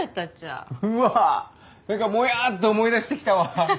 うわ何かもやっと思い出してきたわ。